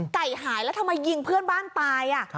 ไก่หายแล้วทำไมยิงเพื่อนบ้านตาย